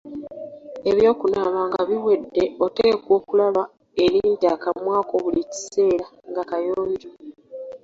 Eby'okunaaba nga biwedde oteekwa okulaba era nti akamwa ko buli kiseera nga kayonjo.